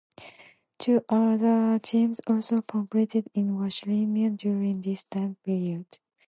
Two other teams also competed in Washington during this time period.